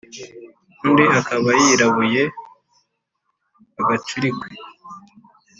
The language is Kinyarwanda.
Undi akaba yirabuye agacurikwe